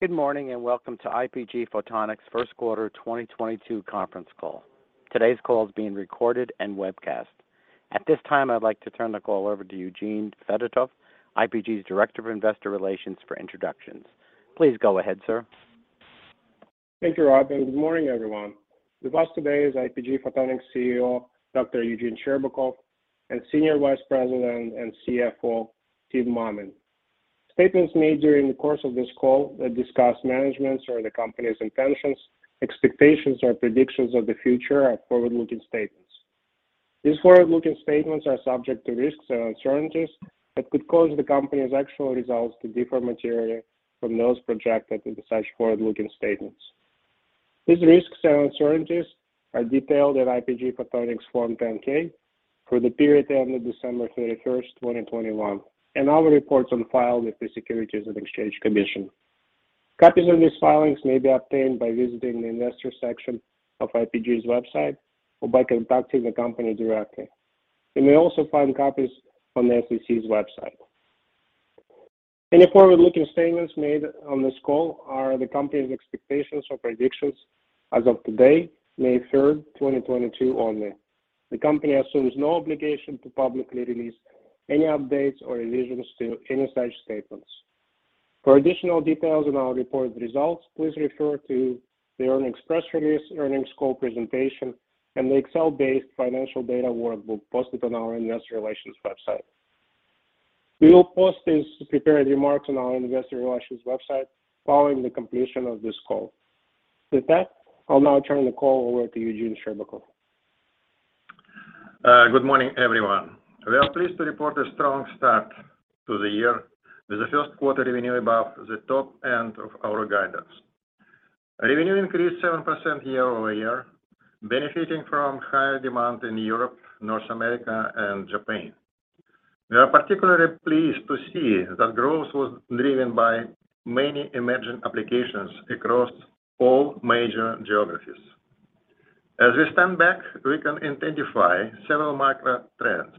Good morning, and welcome to IPG Photonics' first quarter 2022 conference call. Today's call is being recorded and webcast. At this time, I'd like to turn the call over to Eugene Fedotoff, IPG's Director of Investor Relations for introductions. Please go ahead, sir. Thank you, Rob, and good morning, everyone. With us today is IPG Photonics CEO, Dr. Eugene Scherbakov, and Senior Vice President and CFO, Tim Mammen. Statements made during the course of this call that discuss management's or the company's intentions, expectations, or predictions of the future are forward-looking statements. These forward-looking statements are subject to risks and uncertainties that could cause the company's actual results to differ materially from those projected in such forward-looking statements. These risks and uncertainties are detailed in IPG Photonics Form 10-K for the period ending December 31, 2021, and our reports on file with the Securities and Exchange Commission. Copies of these filings may be obtained by visiting the investor section of IPG's website or by contacting the company directly. You may also find copies on the SEC's website. Any forward-looking statements made on this call are the company's expectations or predictions as of today, May third, 2022 only. The company assumes no obligation to publicly release any updates or revisions to any such statements. For additional details on our reported results, please refer to the earnings press release, earnings call presentation, and the Excel-based financial data workbook posted on our investor relations website. We will post these prepared remarks on our investor relations website following the completion of this call. With that, I'll now turn the call over to Eugene Scherbakov. Good morning, everyone. We are pleased to report a strong start to the year with the first quarter revenue above the top end of our guidance. Revenue increased 7% year-over-year, benefiting from higher demand in Europe, North America, and Japan. We are particularly pleased to see that growth was driven by many emerging applications across all major geographies. As we stand back, we can identify several macro trends,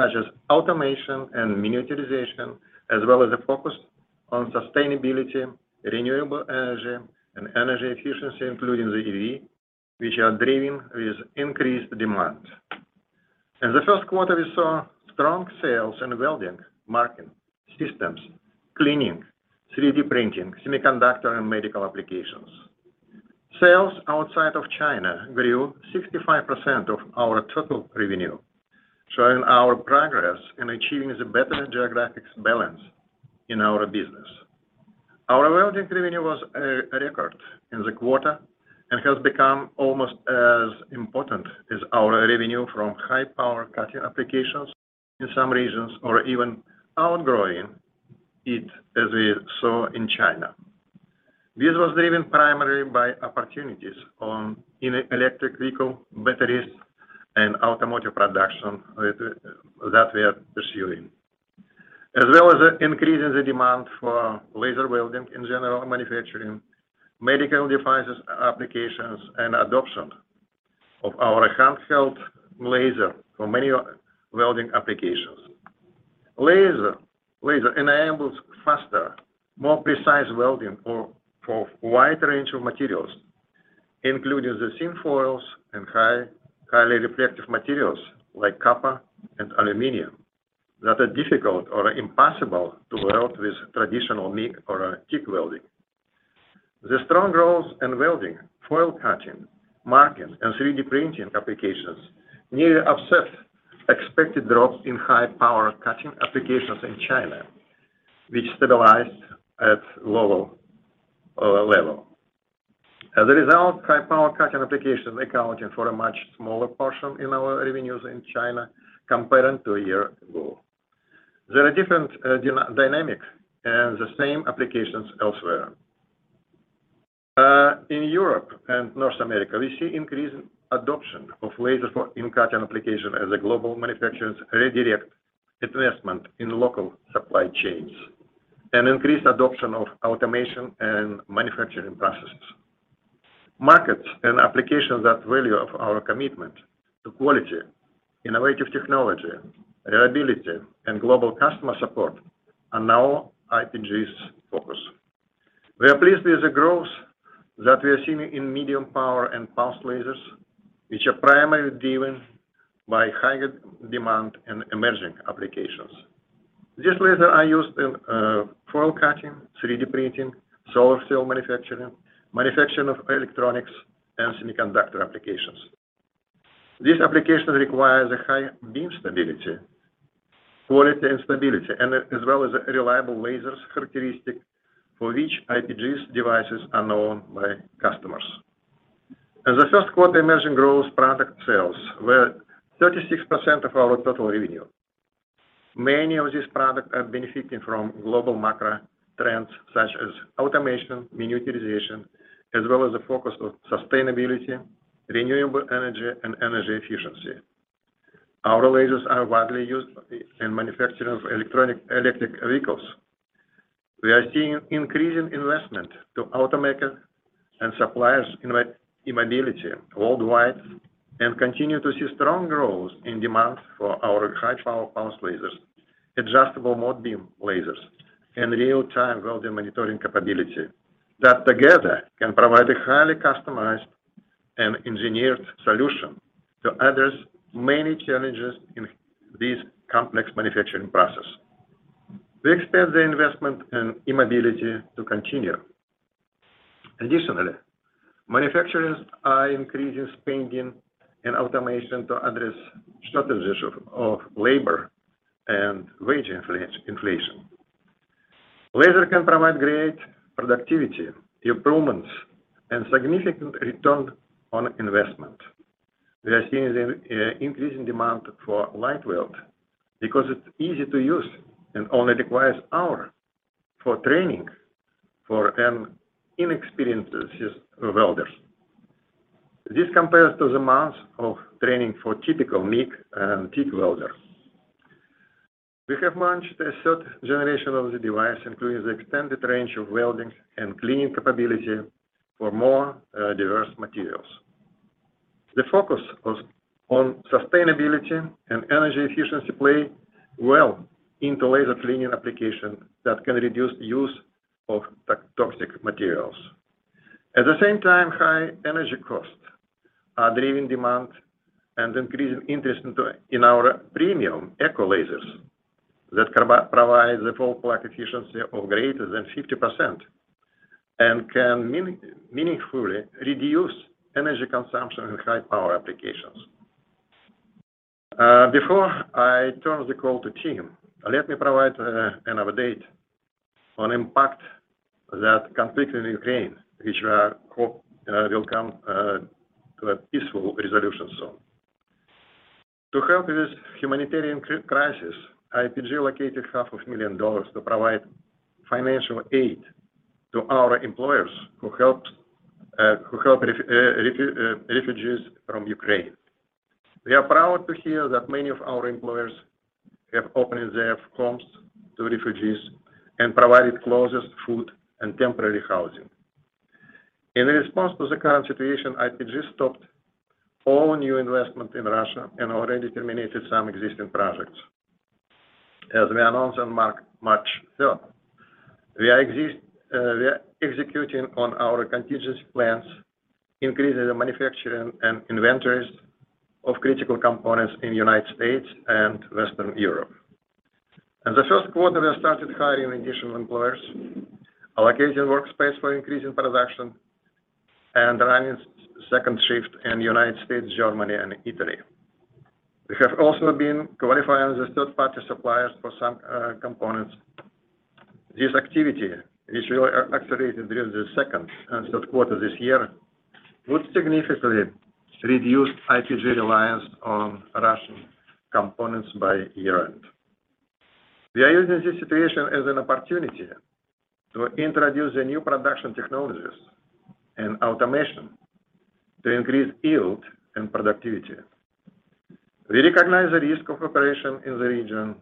such as automation and miniaturization, as well as a focus on sustainability, renewable energy, and energy efficiency, including the EV, which are driving this increased demand. In the first quarter, we saw strong sales in welding, marking, systems, cleaning, 3D printing, semiconductor, and medical applications. Sales outside of China grew to 65% of our total revenue, showing our progress in achieving the better geographic balance in our business. Our welding revenue was a record in the quarter and has become almost as important as our revenue from high power cutting applications in some regions or even outgrowing it, as we saw in China. This was driven primarily by opportunities on electric vehicle batteries and automotive production that we are pursuing, as well as increasing the demand for laser welding in general manufacturing, medical devices applications, and adoption of our handheld laser for many welding applications. Laser enables faster, more precise welding for a wide range of materials, including the thin foils and highly reflective materials like copper and aluminum that are difficult or impossible to weld with traditional MIG or TIG welding. The strong growth in welding, foil cutting, marking, and 3D printing applications nearly offset expected drops in high-power cutting applications in China, which stabilized at low level. As a result, high power cutting applications accounting for a much smaller portion in our revenues in China compared to a year ago. There are different dynamics in the same applications elsewhere. In Europe and North America, we see increased adoption of lasers for cutting applications as the global manufacturers redirect investment in local supply chains and increased adoption of automation and manufacturing processes. Markets and applications that value our commitment to quality, innovative technology, reliability, and global customer support are now IPG's focus. We are pleased with the growth that we are seeing in medium power and pulse lasers, which are primarily driven by higher demand in emerging applications. These lasers are used in foil cutting, 3D printing, solar cell manufacturing of electronics, and semiconductor applications. These applications require the high beam quality and stability, as well as reliable laser characteristics for which IPG's devices are known by customers. In the first quarter, emerging growth product sales were 36% of our total revenue. Many of these products are benefiting from global macro trends such as automation, miniaturization, as well as the focus on sustainability, renewable energy, and energy efficiency. Our lasers are widely used in manufacturing of electric vehicles. We are seeing increasing investments by automakers and suppliers in e-mobility worldwide and continue to see strong growth in demand for our high-power pulse lasers, Adjustable Mode Beam lasers, and real-time welding monitoring capability that together can provide a highly customized and engineered solution to address many challenges in this complex manufacturing process. We expect the investment in e-mobility to continue. Additionally, manufacturers are increasing spending and automation to address shortages of labor and wage inflation. Laser can provide great productivity improvements and significant return on investment. We are seeing increasing demand for LightWELD because it's easy to use and only requires hours for training for inexperienced welders. This compares to the months of training for typical MIG and TIG welder. We have launched a third generation of the device, including the extended range of welding and cleaning capability for more diverse materials. The focus on sustainability and energy efficiency play well into laser cleaning application that can reduce use of toxic materials. At the same time, high energy costs are driving demand and increasing interest in our premium ECO lasers that can provide the full power efficiency of greater than 50% and can meaningfully reduce energy consumption in high power applications. Before I turn the call to Tim, let me provide an update on the impact of the conflict in Ukraine, which I hope will come to a peaceful resolution soon. To help this humanitarian crisis, IPG allocated $500,000 to provide financial aid to our employees who helped refugees from Ukraine. We are proud to hear that many of our employees have opened their homes to refugees and provided clothes, food, and temporary housing. In response to the current situation, IPG stopped all new investment in Russia and already terminated some existing projects. As we announced on March third, we are executing on our contingency plans, increasing the manufacturing and inventories of critical components in the United States and Western Europe. In the first quarter, we started hiring additional employees, allocating workspace for increasing production, and running second shift in United States, Germany, and Italy. We have also been qualifying the third-party suppliers for some components. This activity is re-accelerated during the second and third quarter this year, would significantly reduce IPG reliance on Russian components by year-end. We are using this situation as an opportunity to introduce the new production technologies and automation to increase yield and productivity. We recognize the risks of operating in the region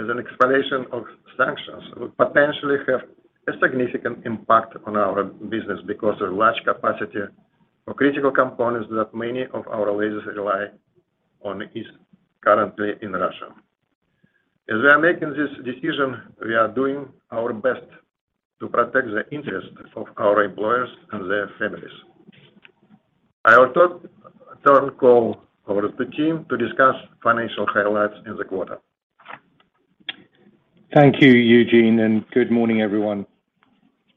as the expiration of sanctions will potentially have a significant impact on our business because the large capacity for critical components that many of our lasers rely on is currently in Russia. As we are making this decision, we are doing our best to protect the interests of our employees and their families. I will turn the call over to Tim to discuss financial highlights in the quarter. Thank you, Eugene, and good morning, everyone.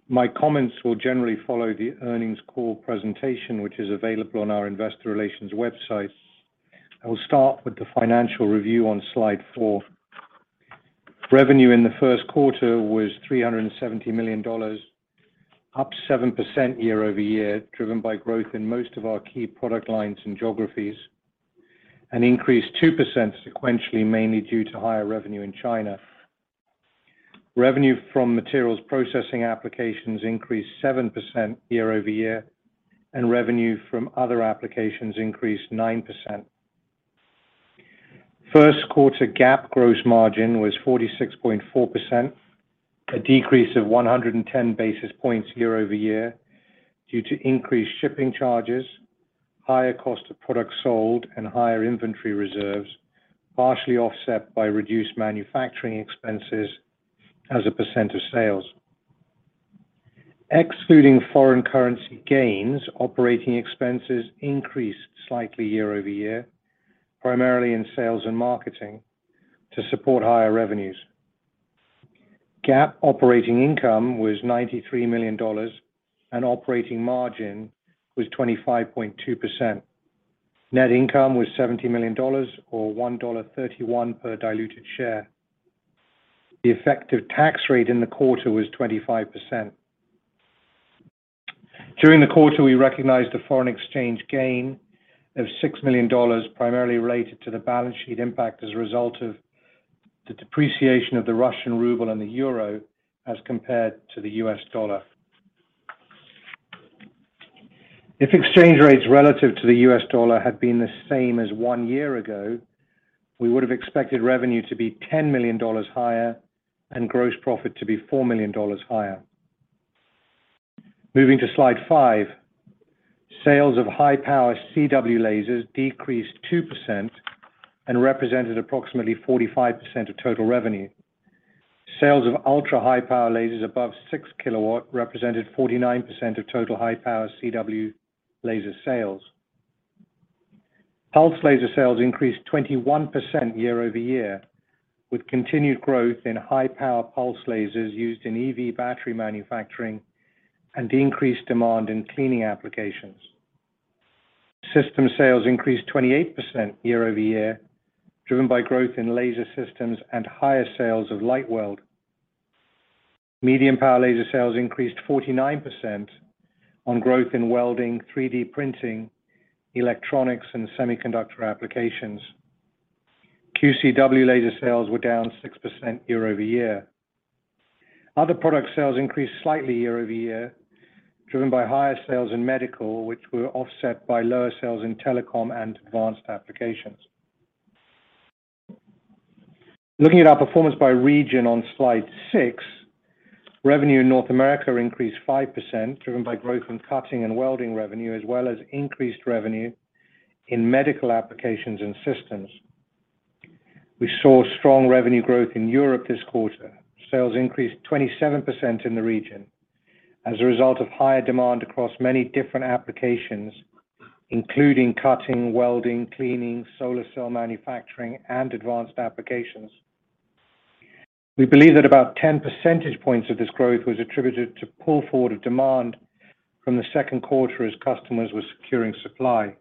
My comments will generally follow the earnings call presentation, which is available on our investor relations website. I will start with the financial review on slide four. Revenue in the first quarter was $370 million, up 7% year-over-year, driven by growth in most of our key product lines and geographies, and increased 2% sequentially, mainly due to higher revenue in China. Revenue from materials processing applications increased 7% year-over-year, and revenue from other applications increased 9%. First quarter GAAP gross margin was 46.4%, a decrease of 110 basis points year-over-year due to increased shipping charges, higher cost of products sold, and higher inventory reserves, partially offset by reduced manufacturing expenses as a percent of sales. Excluding foreign currency gains, operating expenses increased slightly year-over-year, primarily in sales and marketing to support higher revenues. GAAP operating income was $93 million, and operating margin was 25.2%. Net income was $70 million or $1.31 per diluted share. The effective tax rate in the quarter was 25%. During the quarter, we recognized a foreign exchange gain of $6 million primarily related to the balance sheet impact as a result of the depreciation of the Russian ruble and the euro as compared to the US dollar. If exchange rates relative to the US dollar had been the same as one year ago, we would have expected revenue to be $10 million higher and gross profit to be $4 million higher. Moving to slide five. Sales of high power CW lasers decreased 2% and represented approximately 45% of total revenue. Sales of ultra-high power lasers above 6 kW represented 49% of total high power CW laser sales. Pulse laser sales increased 21% year-over-year, with continued growth in high power pulse lasers used in EV battery manufacturing and increased demand in cleaning applications. System sales increased 28% year-over-year, driven by growth in laser systems and higher sales of LightWELD. Medium power laser sales increased 49% on growth in welding, 3D printing, electronics, and semiconductor applications. QCW laser sales were down 6% year-over-year. Other product sales increased slightly year-over-year, driven by higher sales in medical, which were offset by lower sales in telecom and advanced applications. Looking at our performance by region on slide six, revenue in North America increased 5%, driven by growth in cutting and welding revenue, as well as increased revenue in medical applications and systems. We saw strong revenue growth in Europe this quarter. Sales increased 27% in the region as a result of higher demand across many different applications, including cutting, welding, cleaning, solar cell manufacturing, and advanced applications. We believe that about 10 percentage points of this growth was attributed to pull forward of demand from the second quarter as customers were securing supply.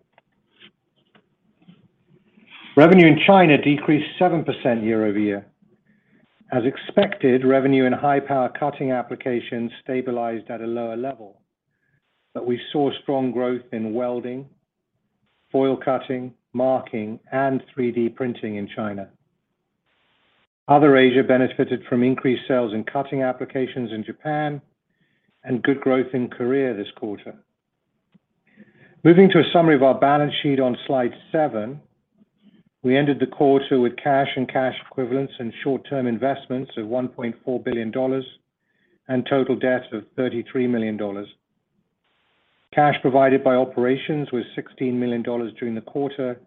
Revenue in China decreased 7% year-over-year. As expected, revenue in high power cutting applications stabilized at a lower level. We saw strong growth in welding, foil cutting, marking, and 3D printing in China. Other Asia benefited from increased sales in cutting applications in Japan and good growth in Korea this quarter. Moving to a summary of our balance sheet on slide seven, we ended the quarter with cash and cash equivalents and short-term investments of $1.4 billion and total debt of $33 million. Cash provided by operations was $16 million during the quarter,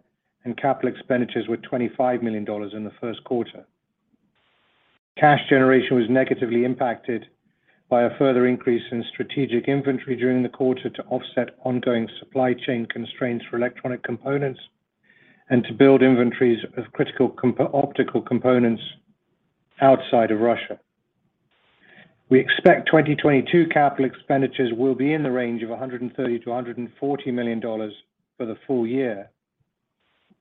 and capital expenditures were $25 million in the first quarter. Cash generation was negatively impacted by a further increase in strategic inventory during the quarter to offset ongoing supply chain constraints for electronic components and to build inventories of critical optical components outside of Russia. We expect 2022 capital expenditures will be in the range of $130 million-$140 million for the full year.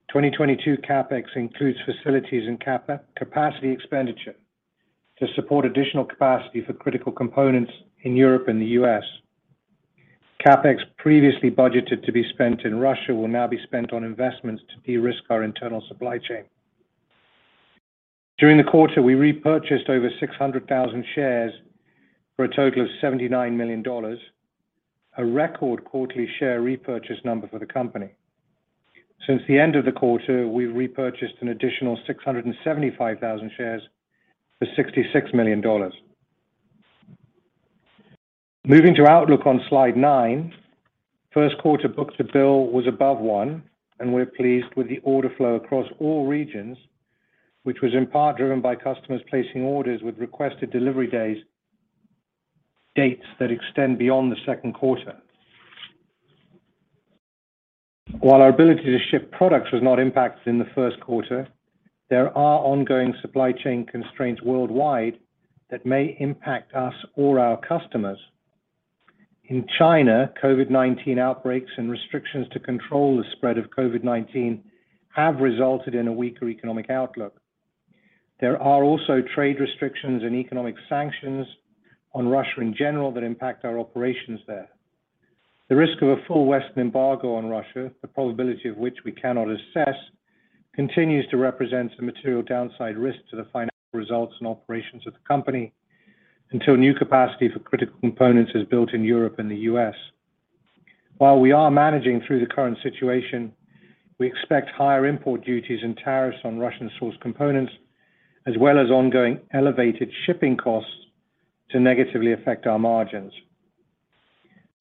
2022 CapEx includes facilities and capacity expenditure to support additional capacity for critical components in Europe and the U.S. CapEx previously budgeted to be spent in Russia will now be spent on investments to de-risk our internal supply chain. During the quarter, we repurchased over 600,000 shares for a total of $79 million, a record quarterly share repurchase number for the company. Since the end of the quarter, we've repurchased an additional 675,000 shares for $66 million. Moving to outlook on slide nine. First quarter book-to-bill was above one, and we're pleased with the order flow across all regions, which was in part driven by customers placing orders with requested delivery dates that extend beyond the second quarter. While our ability to ship products was not impacted in the first quarter, there are ongoing supply chain constraints worldwide that may impact us or our customers. In China, COVID-19 outbreaks and restrictions to control the spread of COVID-19 have resulted in a weaker economic outlook. There are also trade restrictions and economic sanctions on Russia in general that impact our operations there. The risk of a full Western embargo on Russia, the probability of which we cannot assess, continues to represent a material downside risk to the financial results and operations of the company until new capacity for critical components is built in Europe and the U.S. While we are managing through the current situation, we expect higher import duties and tariffs on Russian sourced components, as well as ongoing elevated shipping costs to negatively affect our margins.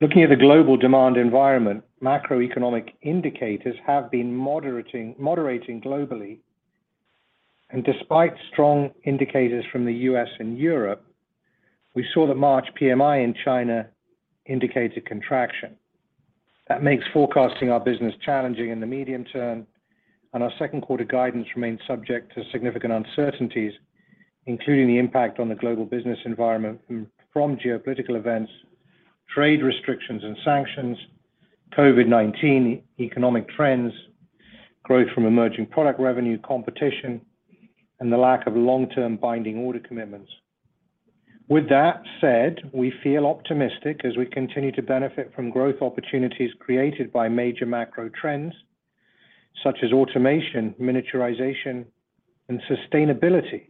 Looking at the global demand environment, macroeconomic indicators have been moderating globally. Despite strong indicators from the U.S. and Europe, we saw the March PMI in China indicate a contraction. That makes forecasting our business challenging in the medium term, and our second quarter guidance remains subject to significant uncertainties, including the impact on the global business environment from geopolitical events, trade restrictions and sanctions, COVID-19 economic trends, growth from emerging product revenue competition, and the lack of long-term binding order commitments. With that said, we feel optimistic as we continue to benefit from growth opportunities created by major macro trends such as automation, miniaturization, and sustainability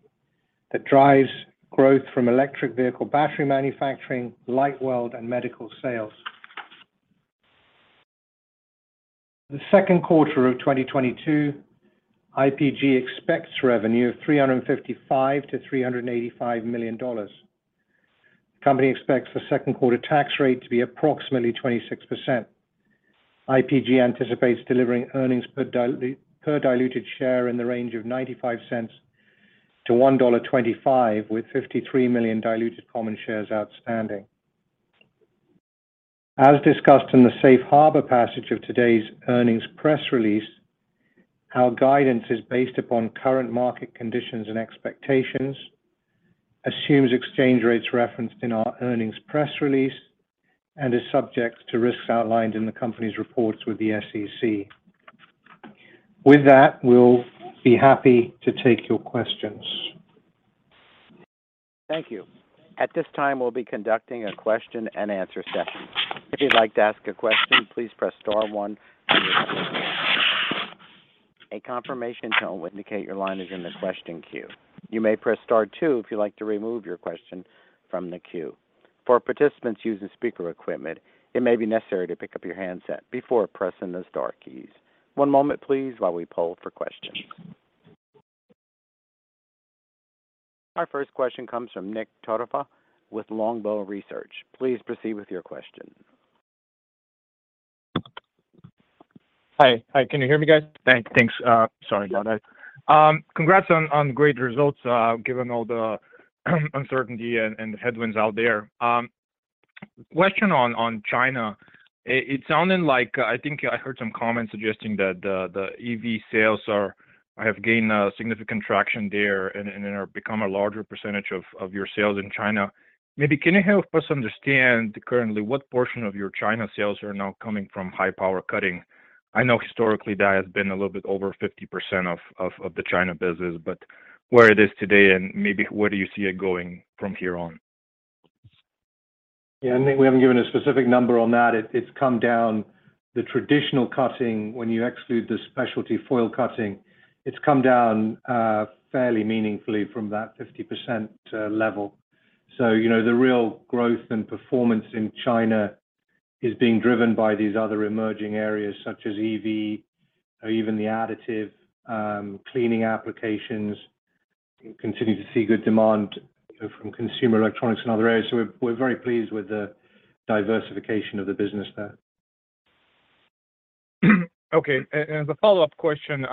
that drives growth from electric vehicle battery manufacturing, LightWELD, and medical sales. The second quarter of 2022, IPG expects revenue of $355 million-$385 million. The company expects the second quarter tax rate to be approximately 26%. IPG anticipates delivering earnings per diluted share in the range of $0.95-$1.25 with 53 million diluted common shares outstanding. As discussed in the safe harbor passage of today's earnings press release, our guidance is based upon current market conditions and expectations, assumes exchange rates referenced in our earnings press release, and is subject to risks outlined in the company's reports with the SEC. With that, we'll be happy to take your questions. Thank you. At this time, we'll be conducting a question and answer session. If you'd like to ask a question, please press star one on your phone now. A confirmation tone will indicate your line is in the question queue. You may press star two if you'd like to remove your question from the queue. For participants using speaker equipment, it may be necessary to pick up your handset before pressing the star keys. One moment, please, while we poll for questions. Our first question comes from Nick torfa with Longbow Research. Please proceed with your question. Hi, can you hear me, guys? Thanks. Sorry about that. Congrats on great results, given all the uncertainty and the headwinds out there. Question on China. It sounded like I think I heard some comments suggesting that the EV sales have gained significant traction there and are become a larger percentage of your sales in China. Maybe can you help us understand currently what portion of your China sales are now coming from high power cutting? I know historically that has been a little bit over 50% of the China business, but where it is today and maybe where do you see it going from here on? Yeah, Nick, we haven't given a specific number on that. It's come down in the traditional cutting when you exclude the specialty foil cutting. It's come down fairly meaningfully from that 50% level. You know, the real growth and performance in China is being driven by these other emerging areas such as EV or even the additive cleaning applications. We continue to see good demand from consumer electronics and other areas. We're very pleased with the diversification of the business there. Okay. As a follow-up question,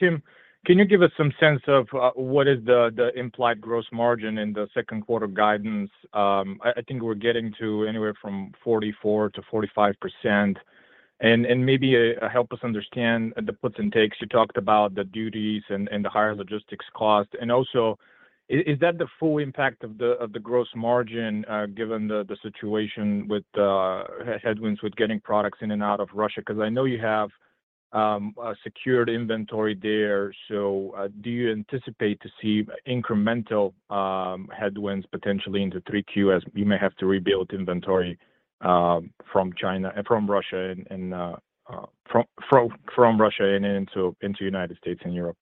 Tim, can you give us some sense of what is the implied gross margin in the second quarter guidance? I think we're getting to anywhere from 44%-45%. Maybe help us understand the puts and takes. You talked about the duties and the higher logistics cost. Is that the full impact of the gross margin given the situation with the headwinds with getting products in and out of Russia? Because I know you have a secured inventory there. Do you anticipate to see incremental headwinds potentially into 3Q as you may have to rebuild inventory from Russia and into United States and Europe?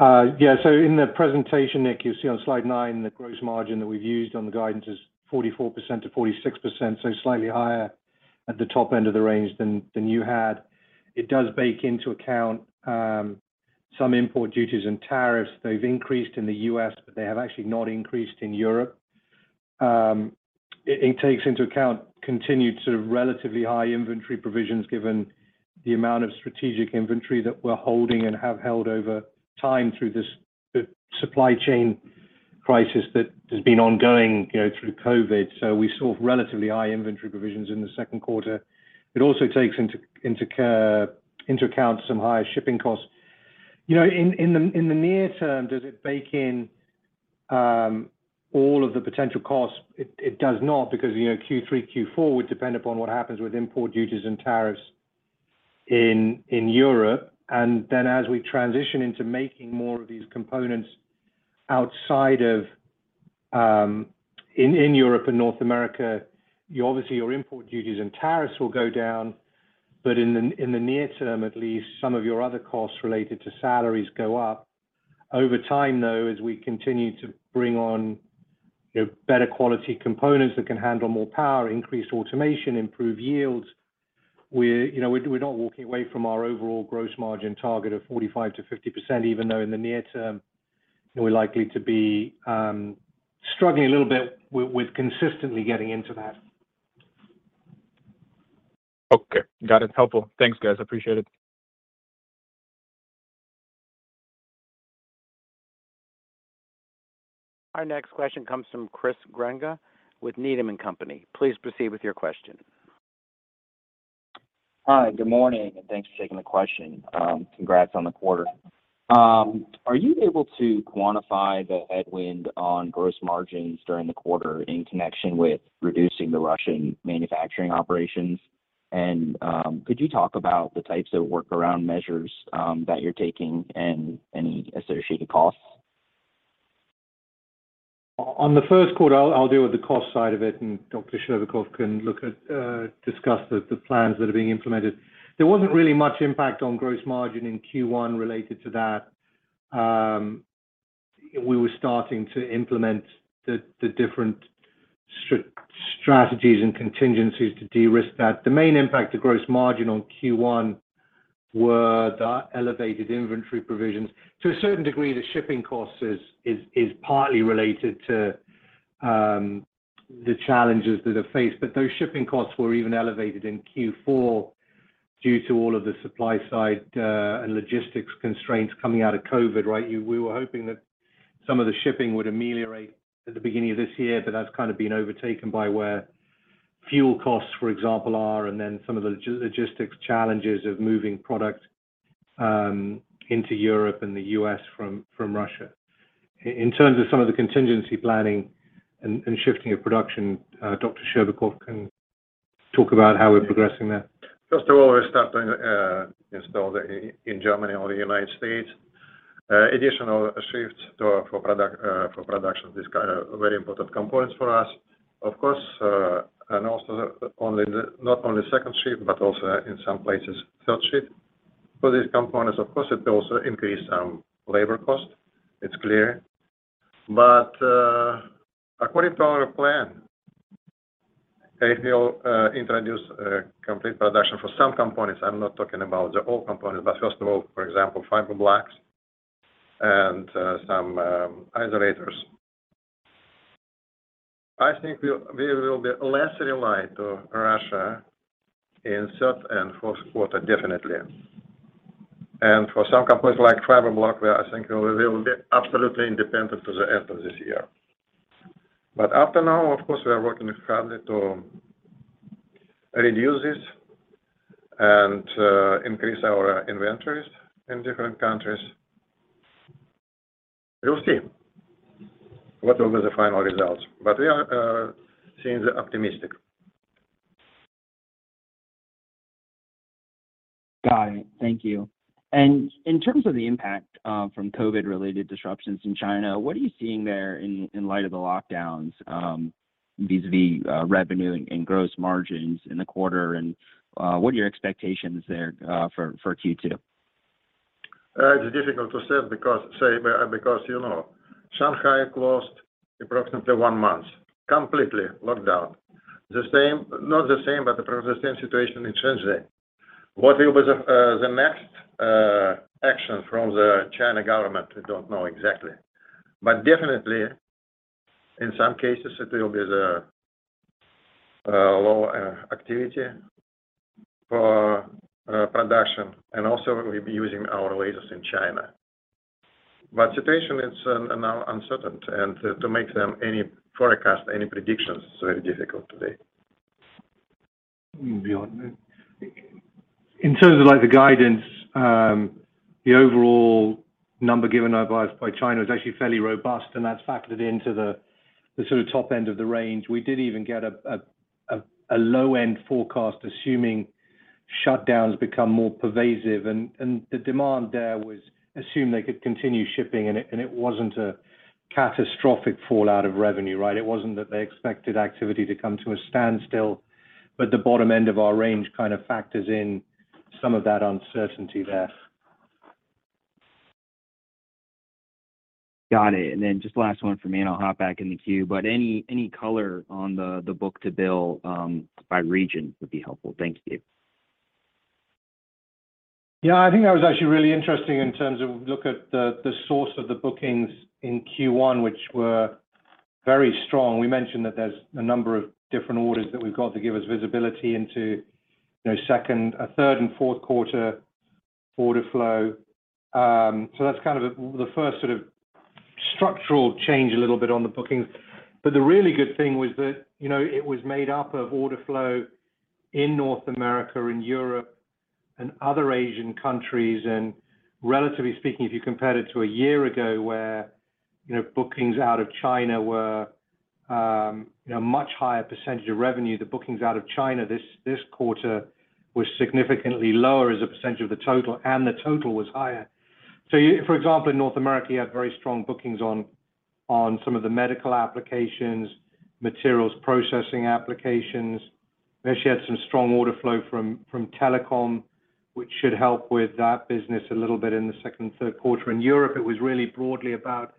Yeah. In the presentation, Nick, you see on slide nine, the gross margin that we've used on the guidance is 44%-46%, so slightly higher at the top end of the range than you had. It does bake into account some import duties and tariffs. They've increased in the U.S., but they have actually not increased in Europe. It takes into account continued sort of relatively high inventory provisions given the amount of strategic inventory that we're holding and have held over time through this, the supply chain crisis that has been ongoing, you know, through COVID. We saw relatively high inventory provisions in the second quarter. It also takes into account some higher shipping costs. You know, in the near term, does it bake in all of the potential costs? It does not because, you know, Q3, Q4 would depend upon what happens with import duties and tariffs in Europe. Then as we transition into making more of these components outside of in Europe and North America, obviously, your import duties and tariffs will go down. In the near term, at least some of your other costs related to salaries go up. Over time, though, as we continue to bring on, you know, better quality components that can handle more power, increase automation, improve yields, we're, you know, we're not walking away from our overall gross margin target of 45%-50%, even though in the near term, we're likely to be struggling a little bit with consistently getting into that. Okay. Got it. Helpful. Thanks, guys. I appreciate it. Our next question comes from James Ricchiuti with Needham & Company. Please proceed with your question. Hi, good morning, and thanks for taking the question. Congrats on the quarter. Are you able to quantify the headwind on gross margins during the quarter in connection with reducing the Russian manufacturing operations? Could you talk about the types of workaround measures that you're taking and any associated costs? On the first call, I'll deal with the cost side of it, and Dr. Scherbakov can discuss the plans that are being implemented. There wasn't really much impact on gross margin in Q1 related to that. We were starting to implement the different strategies and contingencies to de-risk that. The main impact to gross margin on Q1 were the elevated inventory provisions. To a certain degree, the shipping cost is partly related to the challenges that are faced, but those shipping costs were even elevated in Q4 due to all of the supply side and logistics constraints coming out of COVID, right? We were hoping that some of the shipping would ameliorate at the beginning of this year, but that's kind of been overtaken by where fuel costs, for example, are, and then some of the logistics challenges of moving product into Europe and the U.S. from Russia. In terms of some of the contingency planning and shifting of production, Dr. Scherbakov can talk about how we're progressing there. First of all, we're starting installation in Germany or the United States. Additional shifts for production of this kind of very important components for us. Of course, not only second shift, but also in some places, third shift. For these components, of course, it also increases labor cost. It's clear. According to our plan, we'll introduce complete production for some components. I'm not talking about the whole component, but first of all, for example, fiber blocks and some isolators. I think we will be less reliant on Russia in third and fourth quarter, definitely. For some components like fiber blocks, we are thinking we will be absolutely independent to the end of this year. Up to now, of course, we are working with broadly to reduce it and increase our inventories in different countries. We'll see what will be the final results, but we are seeing the optimism. Got it. Thank you. In terms of the impact from COVID-related disruptions in China, what are you seeing there in light of the lockdowns, vis-a-vis revenue and gross margins in the quarter? What are your expectations there for Q2? It's difficult to say because, you know, Shanghai closed approximately one month, completely locked down. Not the same, but approximately the same situation in Shenzhen. What will be the next action from the Chinese government, we don't know exactly. Definitely, in some cases, it will be low activity for production and also we'll be using our lasers in China. Situation is now uncertain, and to make any forecast, any predictions, it's very difficult today. In terms of, like, the guidance, the overall number given now by China is actually fairly robust, and that's factored into the sort of top end of the range. We did even get a low-end forecast, assuming shutdowns become more pervasive and the demand there was assumed they could continue shipping, and it wasn't a catastrophic fallout of revenue, right? It wasn't that they expected activity to come to a standstill, but the bottom end of our range kind of factors in some of that uncertainty there. Got it. Then just last one for me, and I'll hop back in the queue. Any color on the book-to-bill by region would be helpful. Thank you. Yeah. I think that was actually really interesting in terms of look at the source of the bookings in Q1, which were very strong. We mentioned that there's a number of different orders that we've got to give us visibility into, you know, second, third, and fourth quarter order flow. That's kind of the first sort of structural change a little bit on the bookings. The really good thing was that, you know, it was made up of order flow in North America and Europe and other Asian countries. Relatively speaking, if you compared it to a year ago where, you know, bookings out of China were, you know, much higher percentage of revenue, the bookings out of China this quarter were significantly lower as a percentage of the total, and the total was higher. For example, in North America, you had very strong bookings on some of the medical applications, materials processing applications. We had some strong order flow from telecom, which should help with that business a little bit in the second and third quarter. In Europe, it was really broadly about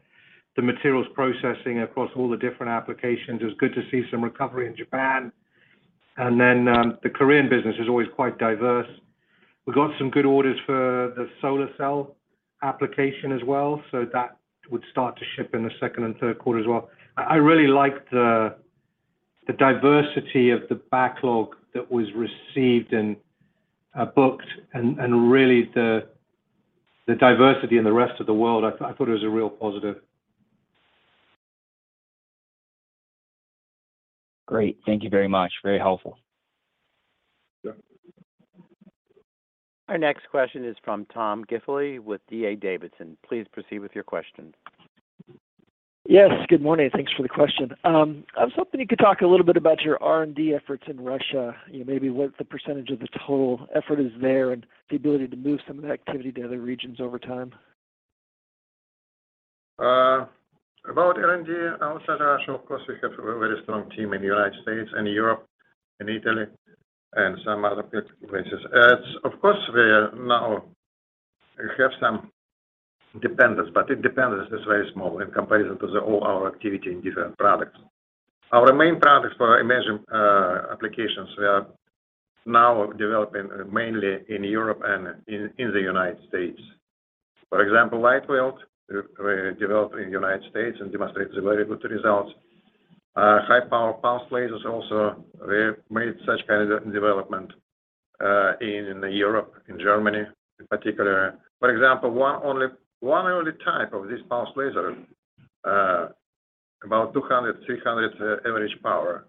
the materials processing across all the different applications. It was good to see some recovery in Japan. The Korean business is always quite diverse. We got some good orders for the solar cell application as well, so that would start to ship in the second and third quarter as well. I really like the diversity of the backlog that was received and booked and really the diversity in the rest of the world. I thought it was a real positive. Great. Thank you very much. Very helpful. Yeah. Our next question is from Tom Diffely with D.A. Davidson. Please proceed with your question. Yes. Good morning. Thanks for the question. I was hoping you could talk a little bit about your R&D efforts in Russia, you know, maybe what the percentage of the total effort is there and the ability to move some of that activity to other regions over time? About R&D outside Russia, of course, we have a very strong team in United States and Europe and Italy and some other places. Of course, we are now have some dependence, but it dependence is very small in comparison to the all our activity in different products. Our main products for imaging applications, we are now developing mainly in Europe and in the United States. For example, LightWELD, we developed in United States and demonstrates very good results. High power pulse lasers also, we have made such kind of development in the Europe, in Germany in particular. For example, one type of this pulse laser, about 200-300 average power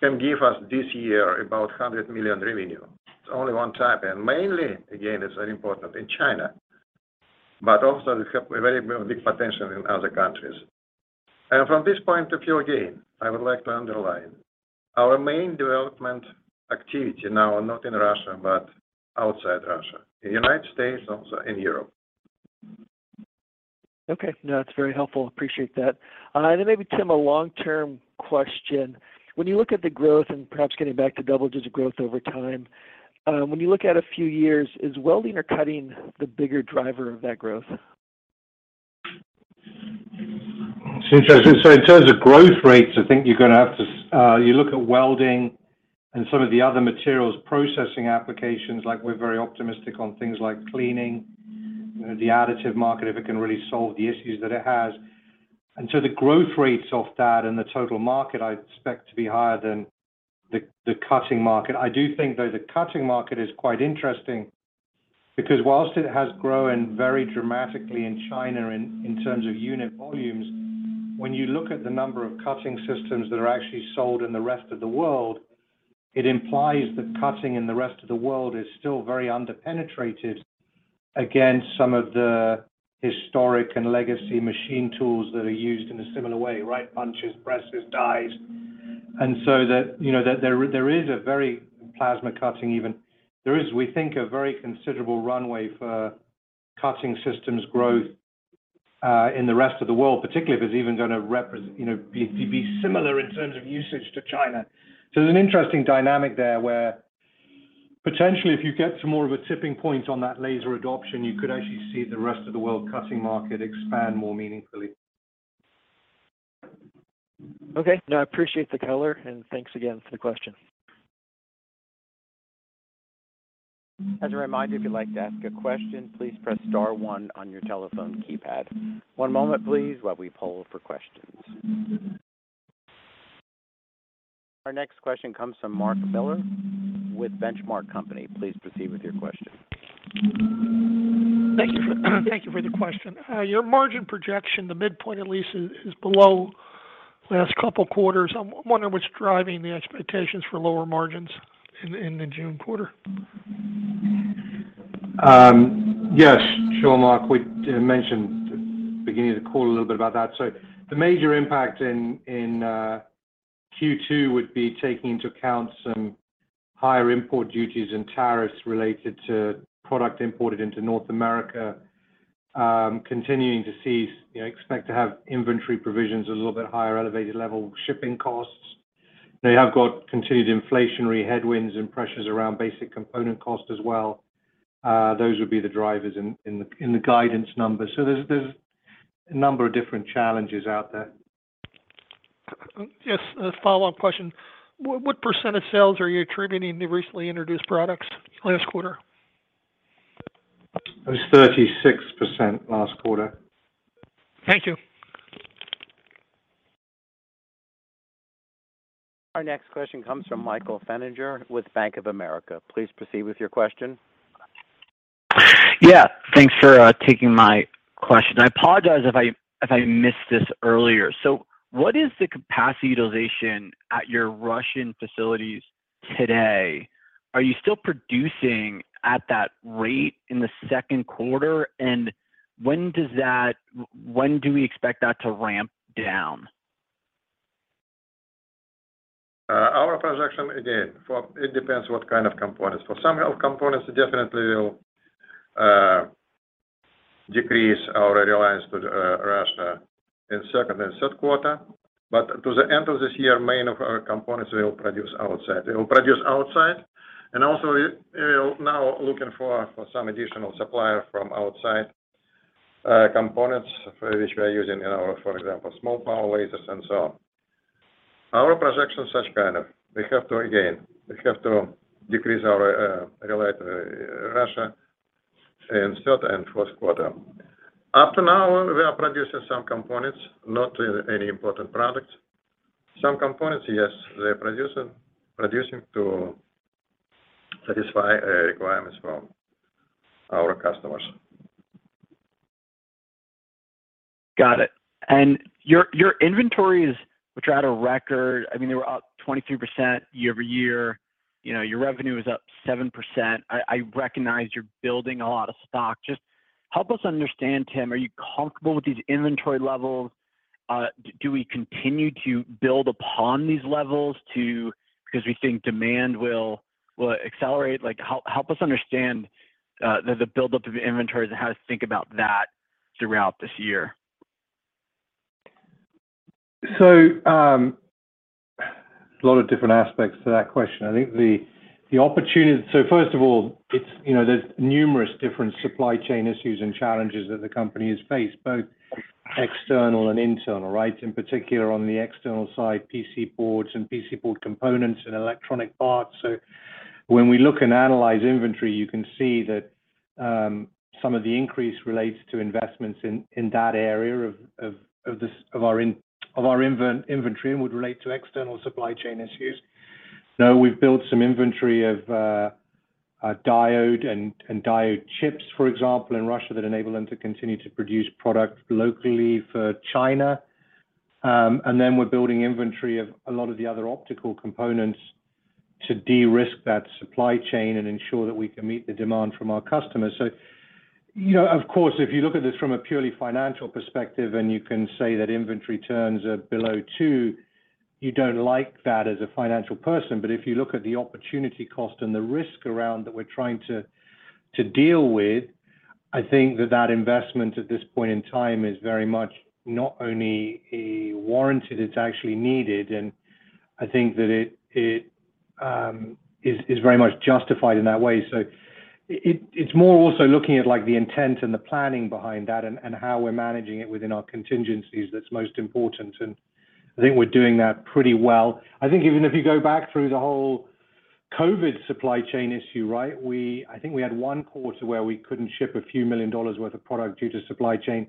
can give us this year about $100 million revenue. It's only one type. Mainly, again, it's very important in China, but also we have a very big potential in other countries. From this point of view, again, I would like to underline our main development activity now not in Russia, but outside Russia, United States, also in Europe. Okay. No, that's very helpful. Appreciate that. Maybe Tim, a long-term question. When you look at the growth and perhaps getting back to double-digit growth over time, when you look at a few years, is welding or cutting the bigger driver of that growth? It's interesting. In terms of growth rates, I think you're gonna have to, you look at welding and some of the other materials processing applications, like we're very optimistic on things like cleaning, you know, the additive market, if it can really solve the issues that it has. The growth rates of that and the total market, I expect to be higher than the cutting market. I do think though, the cutting market is quite interesting because while it has grown very dramatically in China in terms of unit volumes, when you look at the number of cutting systems that are actually sold in the rest of the world, it implies that cutting in the rest of the world is still very underpenetrated against some of the historic and legacy machine tools that are used in a similar way, right? Punches, presses, dies. You know, there is even plasma cutting. There is, we think, a very considerable runway for cutting systems growth in the rest of the world, particularly if it's even gonna represent, you know, be similar in terms of usage to China. There's an interesting dynamic there where potentially if you get to more of a tipping point on that laser adoption, you could actually see the rest of the world cutting market expand more meaningfully. Okay. No, I appreciate the color, and thanks again for the question. As a reminder, if you'd like to ask a question, please press star one on your telephone keypad. One moment, please, while we poll for questions. Our next question comes from Mark Miller with The Benchmark Company. Please proceed with your question. Thank you for the question. Your margin projection, the midpoint at least, is below last couple quarters. I'm wondering what's driving the expectations for lower margins in the June quarter? Yes, sure Mark. We mentioned at the beginning of the call a little bit about that. The major impact in Q2 would be taking into account some higher import duties and tariffs related to product imported into North America. Continuing to see, you know, expect to have inventory provisions a little bit higher, elevated level shipping costs. They have got continued inflationary headwinds and pressures around basic component cost as well. Those would be the drivers in the guidance numbers. There's a number of different challenges out there. Yes. A follow-up question. What % of sales are you attributing to recently introduced products last quarter? It was 36% last quarter. Thank you. Our next question comes from Michael Feniger with Bank of America. Please proceed with your question. Yeah. Thanks for taking my question. I apologize if I missed this earlier. So what is the capacity utilization at your Russian facilities today? Are you still producing at that rate in the second quarter? When do we expect that to ramp down? Our projection, again, for it depends what kind of components. For some of components, definitely we'll decrease our reliance to the Russia in second and third quarter. To the end of this year, main of our components we'll produce outside. We'll produce outside, and also we'll now looking for some additional supplier from outside, components for which we're using in our, for example, small power lasers and so on. Our projections such kind of, we have to again decrease our rely to Russia in third and first quarter. Up to now, we are producing some components, not any important products. Some components, yes, we're producing to satisfy requirements from our customers. Got it. Your inventories, which are at a record, I mean, they were up 23% year-over-year. You know, your revenue is up 7%. I recognize you're building a lot of stock. Just help us understand, Tim, are you comfortable with these inventory levels? Do we continue to build upon these levels because we think demand will accelerate? Like, help us understand, the buildup of inventories and how to think about that throughout this year. A lot of different aspects to that question. I think the opportunity. First of all, it's you know there's numerous different supply chain issues and challenges that the company has faced, both external and internal, right? In particular, on the external side, PC boards and PC board components and electronic parts. When we look and analyze inventory, you can see that some of the increase relates to investments in that area of our inventory and would relate to external supply chain issues. We've built some inventory of diode chips, for example, in Russia that enable them to continue to produce product locally for China. We're building inventory of a lot of the other optical components to de-risk that supply chain and ensure that we can meet the demand from our customers. You know, of course, if you look at this from a purely financial perspective, and you can say that inventory turns are below two, you don't like that as a financial person. If you look at the opportunity cost and the risk around that we're trying to deal with, I think that investment at this point in time is very much not only warranted, it's actually needed. I think that it is very much justified in that way. It's more also looking at, like, the intent and the planning behind that and how we're managing it within our contingencies that's most important, and I think we're doing that pretty well. I think even if you go back through the whole COVID supply chain issue, right? I think we had one quarter where we couldn't ship $a few million worth of product due to supply chain,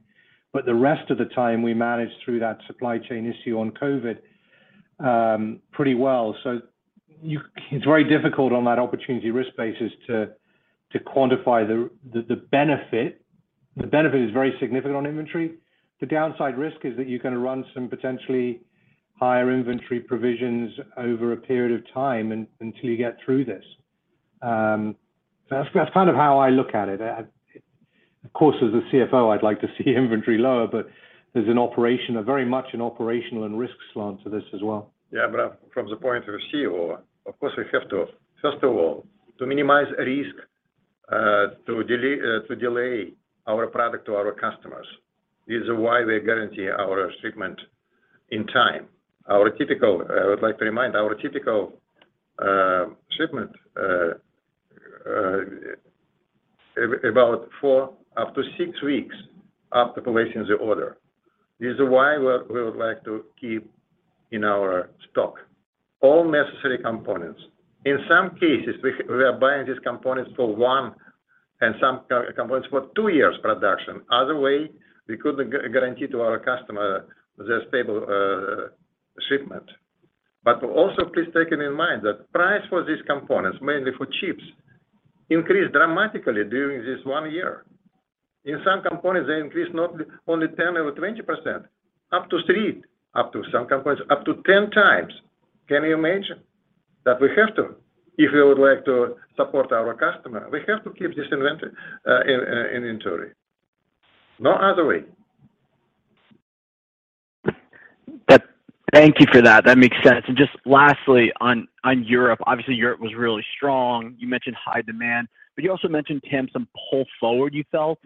but the rest of the time, we managed through that supply chain issue on COVID pretty well. It's very difficult on that opportunity risk basis to quantify the benefit. The benefit is very significant on inventory. The downside risk is that you're gonna run some potentially higher inventory provisions over a period of time until you get through this. That's kind of how I look at it. Of course, as a CFO, I'd like to see inventory lower, but there's very much an operational and risk slant to this as well. From the point of view of a CEO, of course, we have to first of all to minimize risk to delay our product to our customers is why we guarantee our shipment on time. Our typical, I would like to remind, shipment about four upto six weeks after placing the order is why we would like to keep in our stock all necessary components. In some cases, we are buying these components for one and some components for two years production. Otherwise, we couldn't guarantee to our customer the stable shipment. But also, please bear in mind that price for these components, mainly for chips, increased dramatically during this one year. In some components, they increased not only 10% or 20%, up to 3x, up to some components, up to 10x. Can you imagine that we have to, if we would like to support our customer, we have to keep this inventory in inventory. No other way. Thank you for that. That makes sense. Just lastly on Europe, obviously Europe was really strong. You mentioned high demand, but you also mentioned, Tim, some pull forward you felt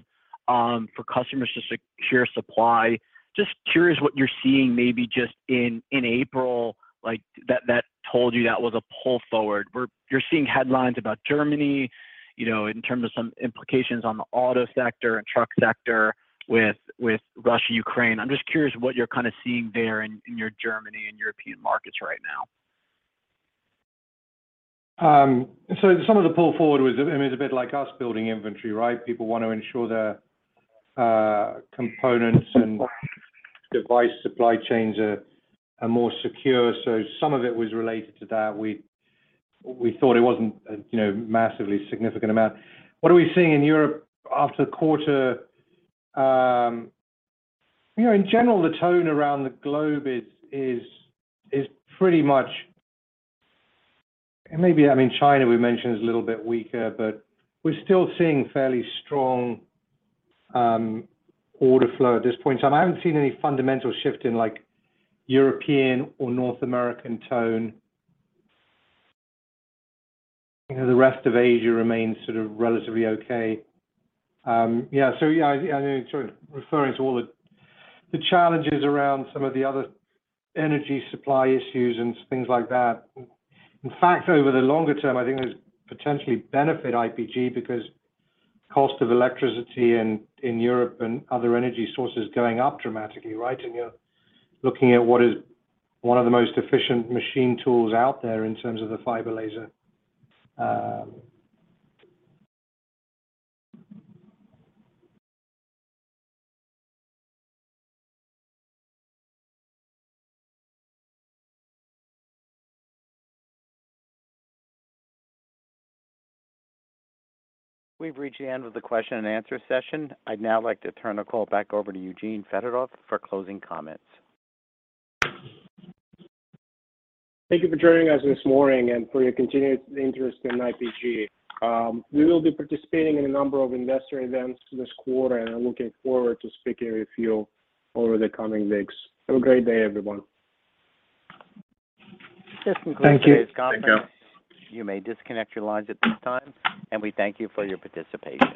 for customers just to secure supply. Just curious what you're seeing maybe just in April, like that that told you that was a pull forward, where you're seeing headlines about Germany, you know, in terms of some implications on the auto sector and truck sector with Russia, Ukraine. I'm just curious what you're kind of seeing there in your Germany and European markets right now. Some of the pull forward was, I mean, a bit like us building inventory, right? People want to ensure their components and device supply chains are more secure. Some of it was related to that. We thought it wasn't a, you know, massively significant amount. What are we seeing in Europe after the quarter? You know, in general, the tone around the globe is pretty much. Maybe, I mean, China we mentioned is a little bit weaker, but we're still seeing fairly strong order flow at this point in time. I haven't seen any fundamental shift in, like, European or North American tone. You know, the rest of Asia remains sort of relatively okay. Yeah. Yeah, I know you're sort of referring to all the challenges around some of the other energy supply issues and things like that. In fact, over the longer term, I think it'll potentially benefit IPG because cost of electricity in Europe and other energy sources going up dramatically, right? You're looking at what is one of the most efficient machine tools out there in terms of the fiber laser. We've reached the end of the question and answer session. I'd now like to turn the call back over to Eugene Fedotoff for closing comments. Thank you for joining us this morning and for your continued interest in IPG. We will be participating in a number of investor events this quarter, and I'm looking forward to speaking with you over the coming weeks. Have a great day, everyone. This concludes. Thank you. Thank you. You may disconnect your lines at this time, and we thank you for your participation.